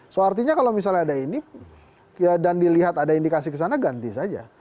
so artinya kalau misalnya ada ini dan dilihat ada indikasi kesana ganti saja